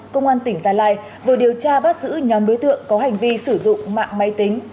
công an tỉnh gia lai vừa điều tra bắt giữ nhóm đối tượng có hành vi sử dụng mạng máy tính